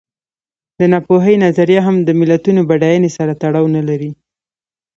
د ناپوهۍ نظریه هم د ملتونو بډاینې سره تړاو نه لري.